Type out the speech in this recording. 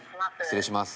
失礼します